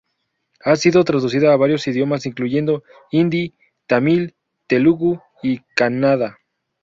Han sido traducidos a varios idiomas, incluyendo hindi, tamil, telugu y kannada.